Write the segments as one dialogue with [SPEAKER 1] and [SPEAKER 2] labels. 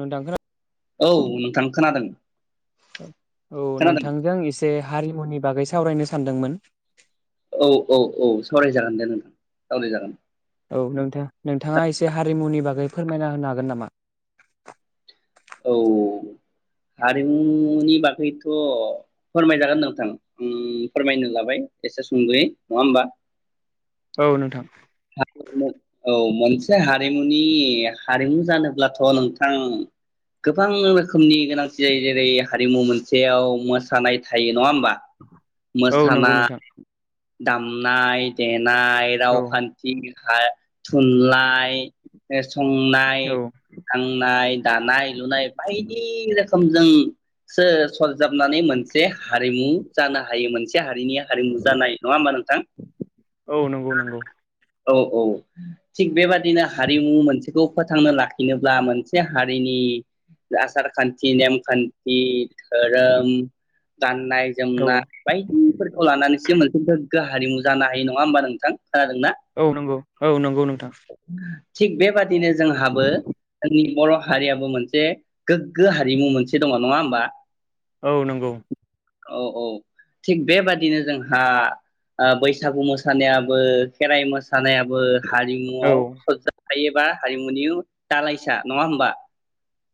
[SPEAKER 1] नोंथां खोना
[SPEAKER 2] औ नोंथां खोनादों।
[SPEAKER 1] औ
[SPEAKER 2] खोनादों
[SPEAKER 1] नोंथांजों आं एसे हारिमुनि बागै सावरायनो सान्दोंमोन।
[SPEAKER 2] औ औ औ सावरायजागोन दे नोंथां सावरायजागोन।
[SPEAKER 1] औ नोंथां नोंथाङा एसे हारिमुनि बागै फोरमायना होनो हागोन नामा?
[SPEAKER 2] औ हारिमुनि बागैथ' फोरमायजागोन नोंथां उम फोरमायनो लाबाय एसे सुंदयै नङा होमबा।
[SPEAKER 1] औ नोंथां
[SPEAKER 2] औ। मोनसे हारिमुनि हारिमु जानोब्लाथ नोंथां गोबां रोखोमनि गोनांथि जायो। जेरै हारिमु मोनसेयाव मोसानाय थायो नङा होमबा?
[SPEAKER 1] औ नंगौ
[SPEAKER 2] मोसानाय
[SPEAKER 1] नोंथां
[SPEAKER 2] दामनाय दे नाय
[SPEAKER 1] औ
[SPEAKER 2] रावखान्थि बिखा थुनलाइ [unintelligible] संनाय
[SPEAKER 1] औ
[SPEAKER 2] खांनाय, दानाय नाय बाहदि समजोंसो सरजाबनानै मोन से हारिमु जानो हायो मोनसे हा रिनि हारिमु जानाय नङा होमबा नोंथां?
[SPEAKER 1] औ नंगौ नंगौ
[SPEAKER 2] औ औ थिग बेबादिनो हारिमु मोनसेखौ फोथांनो लाखिनोब्ला मोनसे हारिनि आसार खान्थि नेमखान्थि धोरोम गान गाननाय
[SPEAKER 1] औ
[SPEAKER 2] जोमनाय बायदिफोरखौ लानानैसो मोनसे गोग्गो हारिमु जानो हायो नङा होमबा नोंथां? खोनादोंना
[SPEAKER 1] औ नंगौ औ नंगौ नोंथां।
[SPEAKER 2] थिग बेबादिनो जोंहाबो जोंनि बर हारियाबो मोन से गोग्गो हारिमु मोनसे दङ नङा होमबा?
[SPEAKER 1] औ नंगौ।
[SPEAKER 2] औ औ थिग बेबादिनो जोंहा ओ बैसागु मोसानायाबो खेराइ मो सानायाबो
[SPEAKER 1] औ
[SPEAKER 2] हारिमुआव सरजा थायोबा हारिमुनि दालायसा नङा होमबा?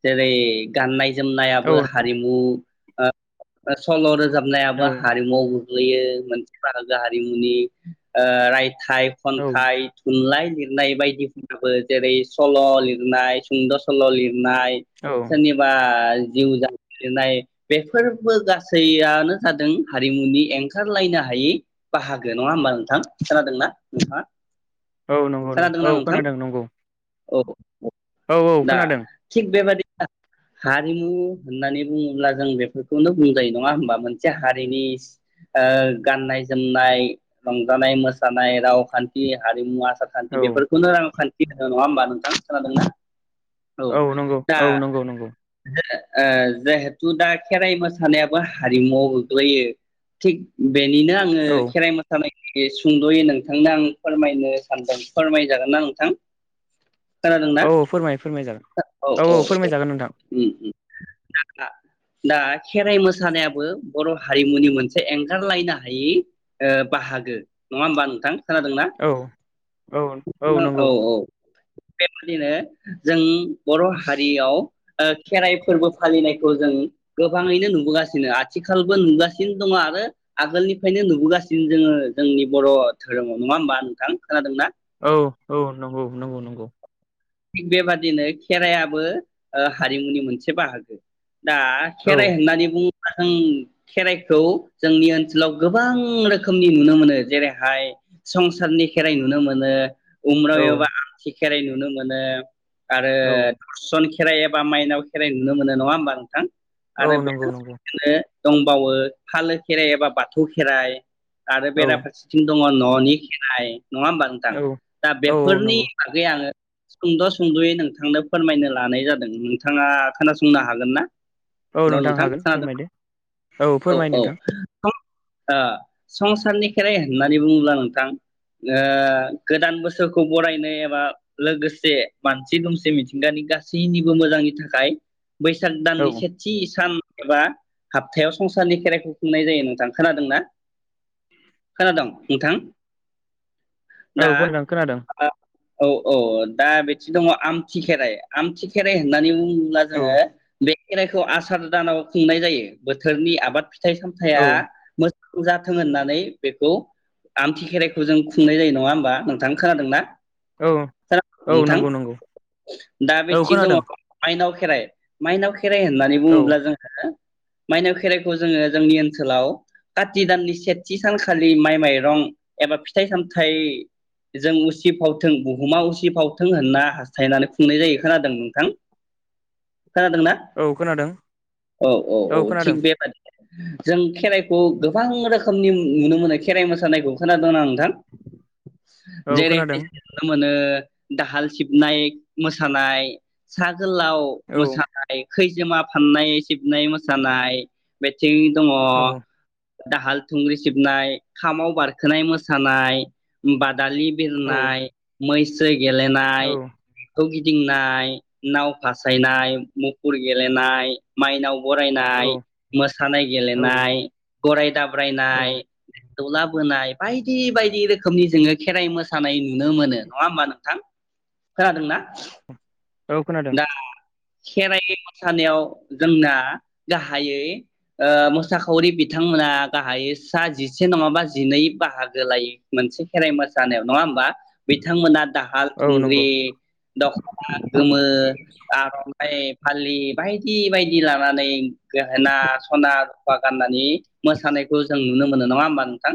[SPEAKER 2] जेरै गाननाय जोमनायाबो हारिमु। ओ सल रोजाब नायाबो
[SPEAKER 1] औ
[SPEAKER 2] हारिमुआव गोग्लैयो मोनसे बाहागो हारिमुनि ओ राइ थाय
[SPEAKER 1] औ
[SPEAKER 2] खन्थाइ थुनलाय लिरनाय बायदिफोराबो जेरै- सल लिरनाय सुंद सल लिरनाय
[SPEAKER 1] औ
[SPEAKER 2] सोरनिबा जिउ जारिमिन लिरनाय बेफोरबो गासैयानो जादों हारिमुनि एंगारलायनो हायै बाहागो नङा होमबा नोंथां? खोनादोंना नोंथाङा
[SPEAKER 1] औ नंगौ नों
[SPEAKER 2] खोनादोंना
[SPEAKER 1] औ
[SPEAKER 2] नोंथां
[SPEAKER 1] खोनादों नंगौ
[SPEAKER 2] औ
[SPEAKER 1] औ औ
[SPEAKER 2] दा
[SPEAKER 1] खोनादों
[SPEAKER 2] थिग बेबादि हारिमु होननानै बुङोब्ला जों बेफोरखौनो बुंजायो नङा होमबा मोनसे हारिनि ओ गाननाय जोमनाय रंजानाय मोसानाय राव खान्थि हारिमु आसार
[SPEAKER 1] औ
[SPEAKER 2] खान्थि बेफोरखौनो रांखान थि होनो नङा होमबा नोंथां खोनादोंना
[SPEAKER 1] औ नंगौ
[SPEAKER 2] दा
[SPEAKER 1] औ नंगौ नंगौ
[SPEAKER 2] ओ जिहेथु दा खेराइ मोसानायाबो हारिमुवाव गोग्लैयो थिग बेनिनो आङो
[SPEAKER 1] औ
[SPEAKER 2] खेराइ मोसानाय बे सुंद'यै नोंथांनो आं फोरमायनो सानदों फोरमायजागोन ना नोंथां। खोनादोंना
[SPEAKER 1] औ फोरमाय फोरमाय जागोन औ औ फोरमायजागोन नोंथां।
[SPEAKER 2] ओम दा दा खेराइ मोसानायाबो बर' हारिमुनि मोनसे एंगारलायनो हायै ओ बाहागो नङा होमबा नोंथां? खोनादोंना?
[SPEAKER 1] औ औ नंगौ
[SPEAKER 2] औ औ बेबायदिनो जों बर' हा हारियाव ओ खेराइ फोरबो फालिनायखौ जों गोबाङैनो नुबोगासिनो आथिखालबो नुगासिनो दङ आरो आगोलनिफ्रायनो नुबोगासिनो जोङो जोंनि बर' धोरोमाव नङा होमबा नोंथां खोनादोंना?
[SPEAKER 1] औ औ नंगौ नंगौ नंगौ
[SPEAKER 2] थिग बेबादिनो खेराइआबो ओ हारिमुनि मोनसे बाहागो। दा
[SPEAKER 1] औ
[SPEAKER 2] खेराइ होननानै बुङो ब्ला जों खेराइखौ जोंनि ओनसोलाव गोबां रोखोमनि नुनो मोनो जेरैहाय संसारनि खेराइ नुनो मोनो। उम्राव
[SPEAKER 1] औ
[SPEAKER 2] एबा आमथि खेराइ नुनो मोनो। आरो
[SPEAKER 1] औ
[SPEAKER 2] सनखि खेराइ एबा माइनाव खेराइ नुनो मोनो नङा होमबा नोंथां?
[SPEAKER 1] औ
[SPEAKER 2] आरो
[SPEAKER 1] नंगौ नंगौ
[SPEAKER 2] [unintelligible] दंबावो फालो खेराइ एबा बाथौ खेराइ आरो
[SPEAKER 1] औ
[SPEAKER 2] बेरा फारसेथिं दङ न'नि खेराय नङा होमबा नोंथां
[SPEAKER 1] औ
[SPEAKER 2] दा
[SPEAKER 1] औ
[SPEAKER 2] बेफोरनि
[SPEAKER 1] नंगौ
[SPEAKER 2] बागै आङो। सुंद सुंदयै नोंथांनो फोरमायनो लानाय जादों नोंथाङा खोनासंनो हागोन ना।
[SPEAKER 1] औ
[SPEAKER 2] हेल'
[SPEAKER 1] नोंथां हागोन
[SPEAKER 2] खोनादों
[SPEAKER 1] फोरमायदो औ फोरमाय नोंथां।
[SPEAKER 2] ओ संसारनि खेराइ होननानै बुङोब्ला नोंथां गोदान बोसोरखौ बरायनो एबा लोगोसे मानसि दुमसि मिथिंगानि गासैनिबो मोजांनि थाखाय। बैसाग
[SPEAKER 1] औ
[SPEAKER 2] दाननि सेथि सान एबा हप्थायाव संसारनि खेराइखौ खुंनाय जायो नोंथां खोनादोंना खोनादोंं नोंथां।
[SPEAKER 1] औ
[SPEAKER 2] दा
[SPEAKER 1] [unintelligible] खोनादों।
[SPEAKER 2] आ, औ। औ दा बिथि दङ आमथि खेराइ आमथि खेराइ होननानै बुङोब्ला
[SPEAKER 1] औ
[SPEAKER 2] जोङो बे खेराइखौ आसार दानाव खुंनाय जायो बोथोरनि आबाद फिथाइ सामथाया
[SPEAKER 1] औ
[SPEAKER 2] जाथों होननानै बेखौ आमथि खेराइखौ जों खुंनाय जायो नङा होमबा नोंथां खोनादों ना।
[SPEAKER 1] औ
[SPEAKER 2] सार [unintelligible]
[SPEAKER 1] औ
[SPEAKER 2] नोंथां
[SPEAKER 1] नंगौ नंगौ
[SPEAKER 2] दा
[SPEAKER 1] औ
[SPEAKER 2] बेथि दङ
[SPEAKER 1] खोनादों
[SPEAKER 2] मायनाव ख खेराय माइनाव खेराइ होन्नानै
[SPEAKER 1] औ
[SPEAKER 2] बुङोब्ला जोंङो माइनाव खेराइखौ जोङो जोंनि ओनसोलाव काति दाननि सेथि सानखालि माइ माइरं एबा फिथाइ सामथाइ जों उसिफावथों बुहुमा उसिफावथों होनना हास्थायनानै खुंनाय जायो खोनादों नोंथां? खोनादोंना
[SPEAKER 1] औ खोनादों
[SPEAKER 2] औ औ औ थिग बेबादिनो जों खेराइखौ गोबां रोखोमनि नुनो मोनो खेराइ मोसानायखौ खोनादों नों
[SPEAKER 1] औ
[SPEAKER 2] [unintelligible] जेरैहाय
[SPEAKER 1] खोनादों
[SPEAKER 2] जों नो दाहाल सिबनाय मोसानाय सा गोलाव
[SPEAKER 1] औ औ
[SPEAKER 2] मोसानाय खैजेमा फाननाय सिबनाय मोसानाय बे [unintelligible] दङ
[SPEAKER 1] औ
[SPEAKER 2] दाहाल थुंग्रि सिबनाय खामाव बारखोनाय मोसानाय बा दालि बिरनाय मैसोग
[SPEAKER 1] औ
[SPEAKER 2] गेलेनाय खौ गिद दिंनाय नाव फासायनाय मुफुर गेलेनाय माइनाव
[SPEAKER 1] औ
[SPEAKER 2] बरायनाय मोसानाय गेलेनाय गराय दाब
[SPEAKER 1] औ
[SPEAKER 2] ब्रारायनाय दौलाबोनाय बायदि बायदि रोखोमनि जोङो खेराइ मोसानाय नु नुनो मोनो नङा ओमबा नोंथां खोनादों ना।
[SPEAKER 1] औ खोनादों
[SPEAKER 2] खेराइ मोसानायाव जोंना गाहायै ओ मोसाखावरि बिथांमोना गाहायै सा जिसे नङाबा जिनै बाहागो लायो मोनसे खेराइ मोसानायाव नङा ओमबा बिथांमोना दाहाल
[SPEAKER 1] औ
[SPEAKER 2] थुंग्रि
[SPEAKER 1] नंगौ
[SPEAKER 2] दखना गोमो आरननाय फालि बायदि बायदि [unintelligible] लानानै गेहेना सना रुफा गाननानि मोसानायखौ जों नुनो मोनो नङा ओमबा नोंथां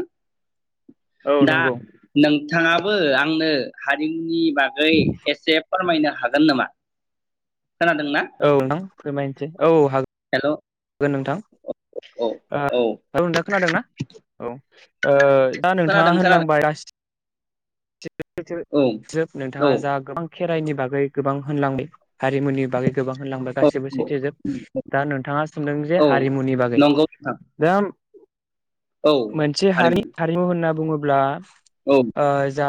[SPEAKER 1] औ
[SPEAKER 2] दा
[SPEAKER 1] नंगौ
[SPEAKER 2] नों बिथाङाबो आंनो हारिमुनि बागै एसे फोरमायनो होन नामा? खोनादोंना
[SPEAKER 1] औ नोंथां फोरमायनोसै औ हा
[SPEAKER 2] हेल'
[SPEAKER 1] गोन नोंथां
[SPEAKER 2] औ
[SPEAKER 1] ओं औ नोंथा खोनादोंना औ ओ दा नोंथाङा
[SPEAKER 2] खोनादों खोनादों
[SPEAKER 1] होनलांबायसि
[SPEAKER 2] औ
[SPEAKER 1] [unintelligible] नोंथाङा
[SPEAKER 2] औ
[SPEAKER 1] जा गोबां खेराइनि बागै गोबां होनलांदो हारिमुनि बागै गोबां होनलांबाय गासैबो
[SPEAKER 2] औ
[SPEAKER 1] सैथोजोब
[SPEAKER 2] औ
[SPEAKER 1] दा नोंथाङा सोंदों जे
[SPEAKER 2] औ
[SPEAKER 1] हारिमुनि बागै
[SPEAKER 2] नंगौ नोंथां
[SPEAKER 1] दा
[SPEAKER 2] औ
[SPEAKER 1] मोनसे ह हारिमु होनना बुङोब्ला अब्ला
[SPEAKER 2] औ
[SPEAKER 1] ओ जा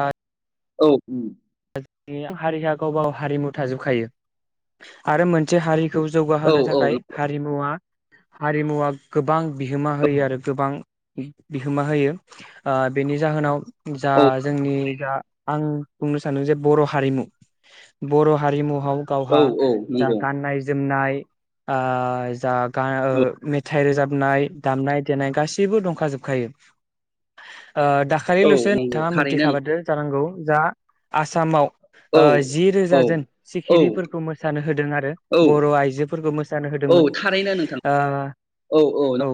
[SPEAKER 2] औ उम
[SPEAKER 1] हारिया गावबाव हारिमु थाजोबखायो आरो मोनसे हारि खौ
[SPEAKER 2] औ
[SPEAKER 1] जौगाहोनो
[SPEAKER 2] औ
[SPEAKER 1] थाखाय
[SPEAKER 2] नंगौ
[SPEAKER 1] हारिमुवा हारिमुवा गोबां बिहोमा होयो आरो गोबां बिहोमा होयो बेनि जाहोनाव जा
[SPEAKER 2] औ
[SPEAKER 1] जोंनि जा आं बुंनो [unintelligible] नोंजे बर हारिमु गावहा
[SPEAKER 2] औ औ
[SPEAKER 1] जा
[SPEAKER 2] नंगौ
[SPEAKER 1] गाननाय जोमनाय ए आ जाग मेहाल
[SPEAKER 2] औ
[SPEAKER 1] फिथाइ रोजाबनाय दामनाय देनाय गासैबो दंखाजोबखायो दाखालिल
[SPEAKER 2] औ
[SPEAKER 1] सो
[SPEAKER 2] नंगौ
[SPEAKER 1] नोंथाङा
[SPEAKER 2] थारैनो
[SPEAKER 1] मोनथिखाबादो जानांगौ जा आसामाव
[SPEAKER 2] औ
[SPEAKER 1] जि
[SPEAKER 2] औ
[SPEAKER 1] रोजाजोन
[SPEAKER 2] औ
[SPEAKER 1] सिखिरिफोरखौ मोसानो होदों आरो
[SPEAKER 2] औ
[SPEAKER 1] बर' आइजोफोरखौ मोसानो
[SPEAKER 2] औ
[SPEAKER 1] होदोंमोन
[SPEAKER 2] थारैनो नोंथां
[SPEAKER 1] औ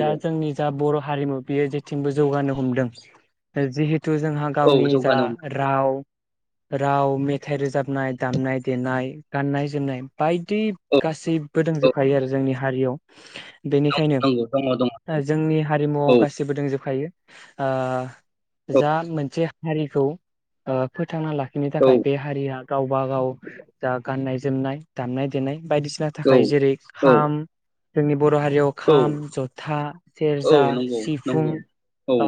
[SPEAKER 1] दा जोंनि जा बर' हारिमु बियो जेथिंबो जौगानो हमदों जि हुथु जोंहा
[SPEAKER 2] औ
[SPEAKER 1] गावनि जा
[SPEAKER 2] जौगानो
[SPEAKER 1] राव राव मेथाइ रोजाबनाय दामनाय देनाय गाननाय जोमनाय बायदि
[SPEAKER 2] औ
[SPEAKER 1] गासैबो
[SPEAKER 2] औ
[SPEAKER 1] दोंजोबखायो आरो जोंनि हारियाव। बेनिखायनो
[SPEAKER 2] नंगौ दङ दङ
[SPEAKER 1] ओ जोंनि
[SPEAKER 2] औ
[SPEAKER 1] हारिमुवआव गासिबो दंजोबखायो। ओ
[SPEAKER 2] औ
[SPEAKER 1] जा मोनसे हारिखौ ओ फोथा फोथांना लाखिनो थाखाय बे हारिया गावबा गाव जा गाननाय जोमनाय दामनाय देनाय बायदिसिना
[SPEAKER 2] औ
[SPEAKER 1] थाखाय जेरै
[SPEAKER 2] औ
[SPEAKER 1] खाम जोंनि बर' हारियाव
[SPEAKER 2] औ
[SPEAKER 1] खाम जथा
[SPEAKER 2] औ
[SPEAKER 1] सेरजा
[SPEAKER 2] नंगौ
[SPEAKER 1] सिफुं
[SPEAKER 2] नंगौ औ
[SPEAKER 1] ओ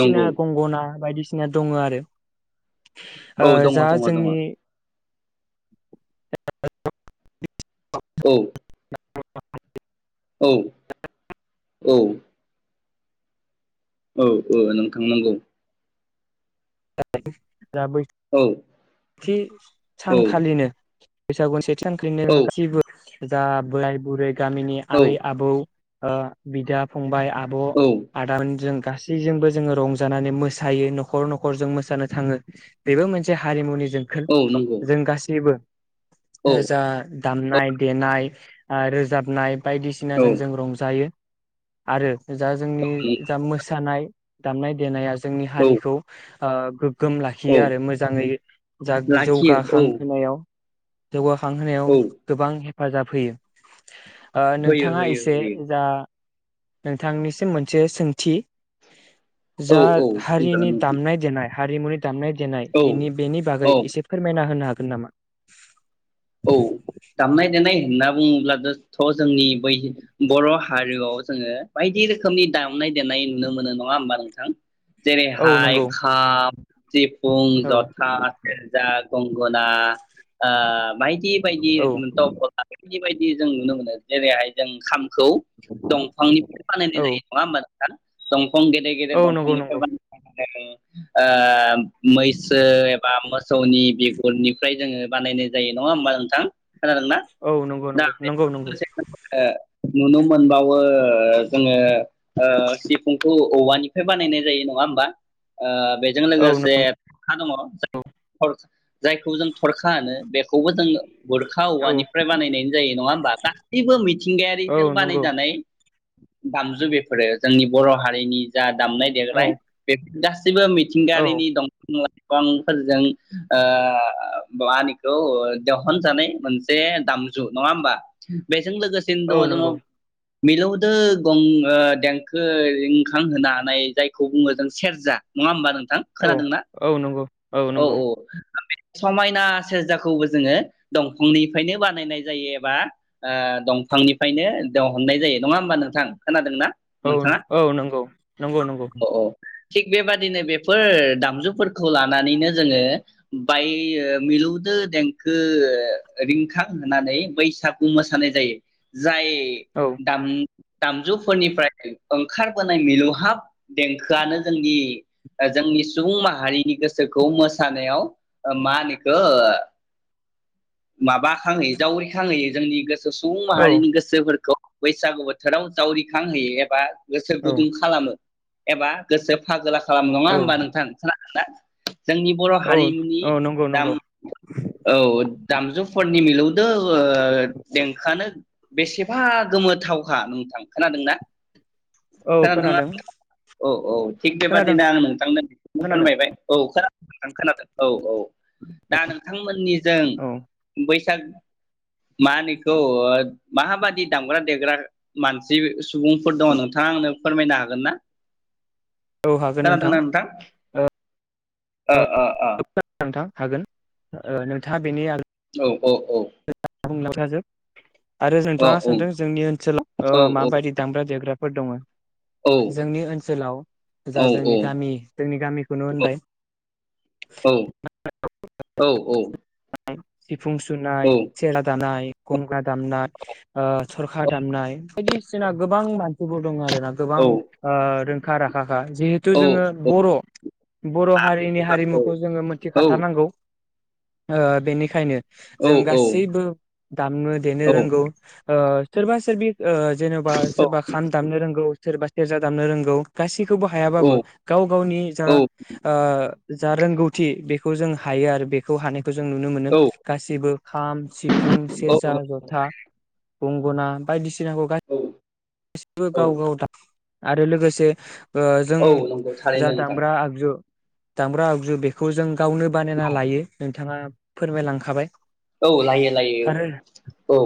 [SPEAKER 2] नंगौ
[SPEAKER 1] गंगना बायदिसिना सिना दङ आरो।
[SPEAKER 2] औ दङ
[SPEAKER 1] जा
[SPEAKER 2] दङ दङ
[SPEAKER 1] जोंनि [unintelligible]
[SPEAKER 2] औ
[SPEAKER 1] [unintelligible]
[SPEAKER 2] औ औ औ औ नोंथां नोंगौ
[SPEAKER 1] [unintelligible] जा बै
[SPEAKER 2] औ
[SPEAKER 1] थि
[SPEAKER 2] औ
[SPEAKER 1] सानखालिनो बेैसागुनि से सानख्रिनो
[SPEAKER 2] औ
[SPEAKER 1] [inaudible] जा बोरइ बुरै गामिनि
[SPEAKER 2] औ
[SPEAKER 1] आबै आबौ ओ बिदा फंबाय आब
[SPEAKER 2] औ
[SPEAKER 1] आदामोनजों गासैजोंबो जोङो रंजानानै मोसायो नखर नखरजों मोसानो थाङो बेबो मोनसे हा हारिमुनि जोंखोल
[SPEAKER 2] औ नंगौ
[SPEAKER 1] जों गासैबो
[SPEAKER 2] औ
[SPEAKER 1] जा दामनाय देनाय आ रोजाबनाय
[SPEAKER 2] औ
[SPEAKER 1] बायदिसिनाजों जों रंजायो आरो जा जोंनि जा मोसानाय दामनाय देनाया जोंनि
[SPEAKER 2] औ
[SPEAKER 1] हारिखौ आ गोग गोम
[SPEAKER 2] औ
[SPEAKER 1] लाखियो आरो मोजाङै जाग
[SPEAKER 2] लाखियो
[SPEAKER 1] जौगाखां
[SPEAKER 2] औ
[SPEAKER 1] होनायाव जौगाखांहोनायाव
[SPEAKER 2] औ
[SPEAKER 1] गोबां हेफाजाब होयो ओ
[SPEAKER 2] होयो
[SPEAKER 1] नोंथाङा
[SPEAKER 2] होयो
[SPEAKER 1] एसे
[SPEAKER 2] होयो
[SPEAKER 1] जा नोंथांनिसिम मोनसे सोंथि
[SPEAKER 2] औ
[SPEAKER 1] जा
[SPEAKER 2] औ थांजागोन
[SPEAKER 1] हारिनि
[SPEAKER 2] नोंथां
[SPEAKER 1] दामनाय देनाय हारिमुनि दामनाय जेनाय
[SPEAKER 2] औ
[SPEAKER 1] इनि बेनि बागै
[SPEAKER 2] औ
[SPEAKER 1] एसे फोरमायना होनो हागोन? गोन नाम
[SPEAKER 2] औ दामनाय देनाय होनना बुङोब्ला थ जोंनि बै बर हारिआव जोङो बायदि रोखोमनि दामनाय देनाय नुनो मोनो नङा होमबा नोंथां
[SPEAKER 1] औ
[SPEAKER 2] जेरैहाय
[SPEAKER 1] नंगौ
[SPEAKER 2] खाम सिफुं
[SPEAKER 1] औ
[SPEAKER 2] जथा सेरजा गं गना ओ बायदि बायदि
[SPEAKER 1] औ
[SPEAKER 2] रोखोम थाव बिदि बायदि जों नुनो मोनो जेरैहाय जों खाम खौ दंफांनिफ्राय बानायनाय
[SPEAKER 1] औ
[SPEAKER 2] जायो नङा होमबा [inaudible] सम फं गेदेर गेद
[SPEAKER 1] औ नंगौ
[SPEAKER 2] दफांनिफ्राय
[SPEAKER 1] नंगौ
[SPEAKER 2] बा [inaudible] जायो आ मैसो एबा मोसौनि बिगु फोरनिफ्राय जोङो बानायन जायो नङा होमबा नोंथां। खोनादोंना
[SPEAKER 1] औ नंगौ नंगौ नंगौ नंगौ
[SPEAKER 2] [unintelligible] नुनो मोनबावो जोङो ओ सिफुंखौ औवानिफ्राय बानायनाय जायो नङा होमबा ओ बेजों
[SPEAKER 1] औ
[SPEAKER 2] लोगोसे थरखा दङ' जाय थर जायखौ जों थरखा होनो बे बिखौबो जों गुरखा
[SPEAKER 1] औ
[SPEAKER 2] औवानिफ्राय बानायनायानो जायो नङा होमबा गासैबो
[SPEAKER 1] औ
[SPEAKER 2] मिथिंगायारिजों
[SPEAKER 1] नंगौ
[SPEAKER 2] बानायजानाय दामजु बेफोरो जोंनि बर' हारिनि जा। दामनाय
[SPEAKER 1] औ
[SPEAKER 2] दे [unintelligible] गासैबो
[SPEAKER 1] औ
[SPEAKER 2] मिथिंगायारिनि दंफा लाय बिफांफोरजों ओ मा होनो द-दहनजानाय मोनसे दामजु नङा होमबा बे बेजों लोगोसेनो
[SPEAKER 1] औ
[SPEAKER 2] दं जों
[SPEAKER 1] नंगौ
[SPEAKER 2] मिलौदो गं ओ देंखो रिंखां होनानैय जायखौ बुङो जों सेरजा नङा होमबा नों
[SPEAKER 1] औ औ नंगौ।
[SPEAKER 2] औ औ समायना सेरजाखौबो जोङो दंफांनिफ्रायनो बानायनाय जायो एबा ओ दंफांनिफ्रायनो दहनाय जायो नङा होमबा नोंथां खोनादोंना?
[SPEAKER 1] औ
[SPEAKER 2] नोंथाङा
[SPEAKER 1] औ नंगौ नंगौ नंगौ।
[SPEAKER 2] औ थिग बेबादिनो बेफोर दामजुफोरखौ ला नानै जोङो बाय मिलौदो देंखो रिंखां होनानै बैसागु मोसानाय जायो जाय
[SPEAKER 1] औ
[SPEAKER 2] दाम दामजुफोरनिफ्राय ओंखार बोनाय मिलौहाब देंखोआनो जोंनि जोंनि सुबुं माहारिनि गोसो गोसोखौ मोसानायाव मा होनो इखो माबा खांहोयो जावरिखांहोयो जोंनि गोसो सुबुं
[SPEAKER 1] औ
[SPEAKER 2] माहारिनि गोसोफोरखौ बैसागु बोथोराव जावरिखां होयो एबा गोसो
[SPEAKER 1] औ
[SPEAKER 2] गुदुं खालामो। एबा गोसो फागोला खालामो नङा
[SPEAKER 1] औ
[SPEAKER 2] होमबा नोंथां खो [unintelligible] जोंनि बर'
[SPEAKER 1] औ
[SPEAKER 2] हारिमुनि
[SPEAKER 1] औ नंगौ
[SPEAKER 2] दाम
[SPEAKER 1] नंगौ
[SPEAKER 2] औ दामजुफोरनि मिलौ दो ओ देंखोआनो बेसेबा गोमोथावखा नोंथां खोनादोंना?
[SPEAKER 1] औ
[SPEAKER 2] खोनादोंना
[SPEAKER 1] खोनादों
[SPEAKER 2] नोंथां? औ औ थिग
[SPEAKER 1] खोनादों
[SPEAKER 2] बेबादिनो आं नोंथांनोनो बिखौनो
[SPEAKER 1] खोनादों
[SPEAKER 2] फोरमायबाय। औ खोनदों नोंथां खोनादों औ औ। दा नोंथांमोननिजों
[SPEAKER 1] औ
[SPEAKER 2] बैसाग मानो इखौ माहाबादि दामग्रा देग्रा मानसि सुबुंफोर दंङ नोंथाङा आंनो फोरमायनो हागोन ना?
[SPEAKER 1] औ हागोन नोंथां ओ
[SPEAKER 2] ओ ओ ओ
[SPEAKER 1] नोथां हागोन ओ नोंथाङा बेनि आ
[SPEAKER 2] औ औ औ
[SPEAKER 1] [unintelligible] आरो
[SPEAKER 2] औ
[SPEAKER 1] नोंथाङा
[SPEAKER 2] औ
[SPEAKER 1] सोंदों जोंनि ओनसोलाव
[SPEAKER 2] औ
[SPEAKER 1] ओ माबायदि दामग्रा देग्रा फोर दंङो
[SPEAKER 2] औ
[SPEAKER 1] जोंनि ओनसोलाव जा
[SPEAKER 2] औ
[SPEAKER 1] जोंनि गामि जोंनि गामिखौनो होनबाय
[SPEAKER 2] औ औ औ
[SPEAKER 1] [unintelligible] [unintelligible] फुं सुनाय सेेरा दानाय गंगोना दामनाय ओ थरखा दामनाय बायदिसिना गोबां मानसिफोर दंङो आरो ना गोबां ओ रों खा राखा बा जिहेथु जोंङो बर' बर‌' हारिनि हारिमुखौ जोंङो मोथि
[SPEAKER 2] औ
[SPEAKER 1] खाथार नांगौ ओ बेनिखायनो जों गासैबो दामनो देनो रोंगौ ओ सोरबा सोरबि ओ जेनबा सोरबा खाम दामनो रोंगौ सोरबा सेरजा दामनो रोंगौ गासि खौ बो हायाबो गाव गावनि जा ओ जा रोंगौथि बेख खौ जों हायो आरो बे खौ हानो जों नुनो मोनो गासिबो खाम, सिफुं, सेरजा, जथा गंगना बायदिसि सिनाखौ गा
[SPEAKER 2] औ
[SPEAKER 1] गाससिबो
[SPEAKER 2] औ
[SPEAKER 1] गाव गाव दा आरो लोगोसे ओ जों
[SPEAKER 2] औ नंगौ
[SPEAKER 1] जा
[SPEAKER 2] थारैनो नोंथां
[SPEAKER 1] दामग्रा आगजु दामग्रा आगजु बेखौ जों गावनो बानायना लायो नोंथाङा फोरमायलांखाबाय
[SPEAKER 2] औ लायो लायो
[SPEAKER 1] आरो
[SPEAKER 2] औ